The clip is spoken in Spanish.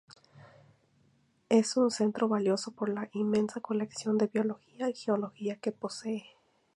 Es un centro valioso por la inmensa colección de biología y geología que posee.